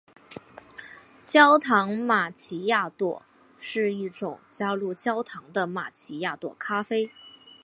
焦糖玛琪雅朵是一种加入焦糖的玛琪雅朵咖啡。